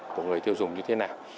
của người tiêu dùng như thế nào